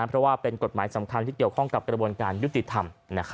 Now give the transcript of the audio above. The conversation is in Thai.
เพราะว่าเป็นกฎหมายสำคัญที่เกี่ยวข้องกับกระบวนการยุติธรรม